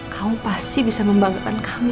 kau pasti bisa membanggakan kami